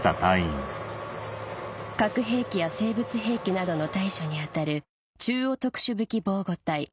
核兵器や生物兵器などの対処に当たる中央特殊武器防護隊